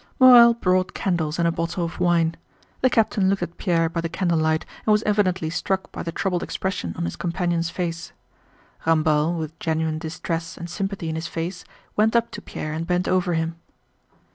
Morel brought candles and a bottle of wine. The captain looked at Pierre by the candlelight and was evidently struck by the troubled expression on his companion's face. Ramballe, with genuine distress and sympathy in his face, went up to Pierre and bent over him.